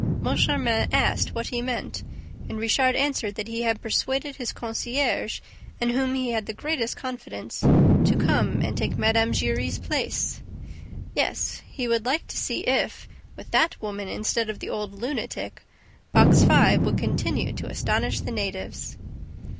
Moncharmin asked what he meant and Richard answered that he had persuaded his concierge, in whom he had the greatest confidence, to come and take Mme. Giry's place. Yes, he would like to see if, with that woman instead of the old lunatic, Box Five would continue to astonish the natives?